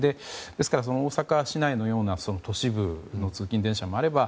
ですから大阪市内のような都市部の通勤電車もあれば